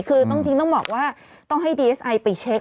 คือต้องทิ้งต้องบอกว่าต้องให้ดีเอสไอไปเช็ค